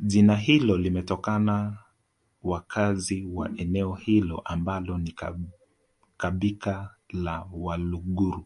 jina hilo limetokana wakazi wa eneo hilo ambalo ni kabika la waluguru